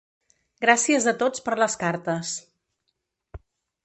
Gràcies a tots per les cartes.